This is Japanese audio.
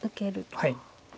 はい。